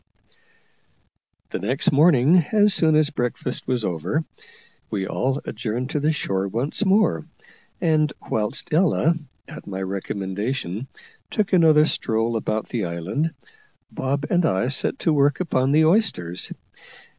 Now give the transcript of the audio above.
The next morning, as soon as breakfast was over, we all adjourned to the shore once more; and whilst Ella, at my recommendation, took another stroll about the island, Bob and I set to work upon the oysters.